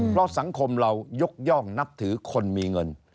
เพราะสังคมเรายกย่องนับถือคนมีเงิน